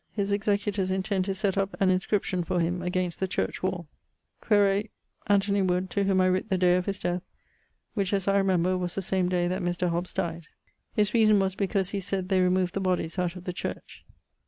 His executors intend to sett up an inscription for him against the church wall. [XXI.] quaere Anthony Wood to whom I writt the day of his death, which as I remember was the same day that Mr. Hobbes died. [XXII.] His reason was because he sayd they removed the bodies out of the church.